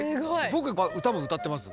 僕歌も歌ってます。